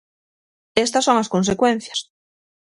Estas son as consecuencias.